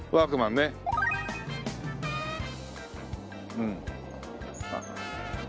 うん。